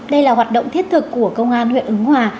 đây là hoạt động thiết thực của công an huyện ứng hòa